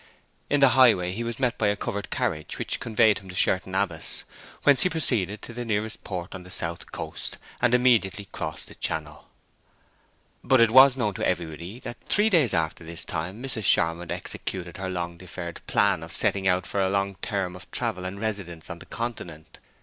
In the highway he was met by a covered carriage, which conveyed him to Sherton Abbas, whence he proceeded to the nearest port on the south coast, and immediately crossed the Channel. But it was known to everybody that three days after this time Mrs. Charmond executed her long deferred plan of setting out for a long term of travel and residence on the Continent.